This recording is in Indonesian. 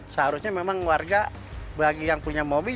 seharusnya memang warga bagi yang punya mobil